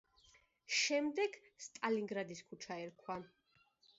შემდეგ სტალინგრადის ქუჩა ერქვა.